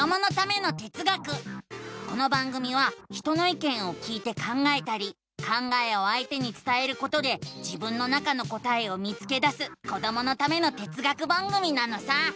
この番組は人のいけんを聞いて考えたり考えをあいてにつたえることで自分の中の答えを見つけだすこどものための哲学番組なのさ！